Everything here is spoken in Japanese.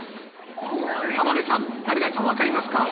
浜辺さん、誰だか分かりますか？